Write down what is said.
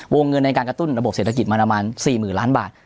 วงเงินในการกระตุ้นระบบเศรษฐกิจมาประมาณ๔๐๐๐ล้านบาท